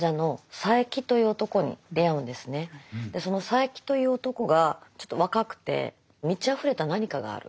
その佐柄木という男がちょっと若くて満ちあふれた何かがある。